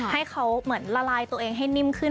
ให้เขาเหมือนละลายตัวเองให้นิ่มขึ้น